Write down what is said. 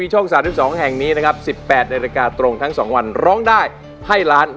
หลานร้องไห้ยายร้องเพลงยายร้องเพลงอะไรปะถะหลาน